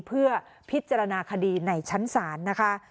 เพื่อพิจารณาคดีในชั้นศาลนะคะ